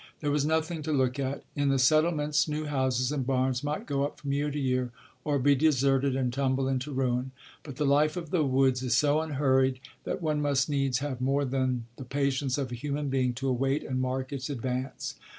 There was nothing to look at; in the settlements new houses and barns might go up from year to year, or be deserted and tumble into ruin; but the life of the woods is so unhurried that one must needs have more than the patience of a human being to await and mark its advance.